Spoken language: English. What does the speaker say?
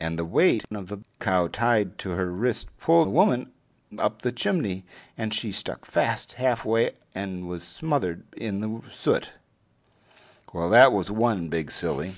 And the weight of the cow tied to her wrist pulled the woman up the chimney, and she stuck fast halfway and was smothered in the soot. Well, that was one big silly.